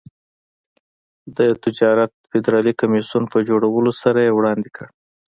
د تجارت فدرالي کمېسیون په جوړولو سره یې وړاندې کړ.